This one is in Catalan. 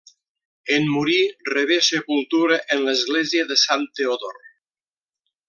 En morir, rebé sepultura en l'església de Sant Teodor.